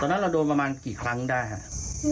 ตอนนั้นเราโดนประมาณกี่ครั้งได้ค่ะ